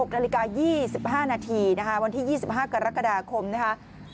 ๖นาฬิกา๒๕นาทีนะคะวันที่๒๕กรกฎาคมนะคะ